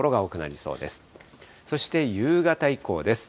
そして夕方以降です。